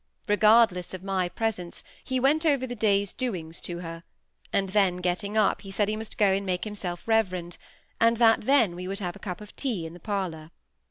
Regardless of my presence, he went over the day's doings to her; and then, getting up, he said he must go and make himself "reverend", and that then we would have a cup of tea in the parlour.